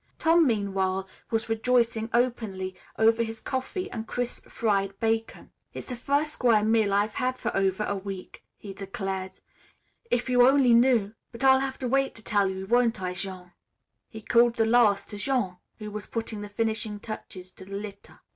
Tom, meanwhile, was rejoicing openly over his coffee and crisp fried bacon. "It's the first square meal I've had for over a week," he declared. "If you only knew but I'll have to wait to tell you. Won't I, Jean?" He called this last to Jean, who was putting the finishing touches to the litter.